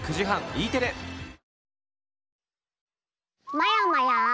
まやまや！